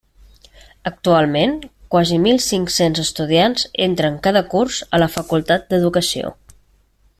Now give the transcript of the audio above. Actualment quasi mil cinc-cents estudiants entren cada curs a la Facultat d’Educació.